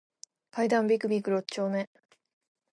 階段ビクビク六丁目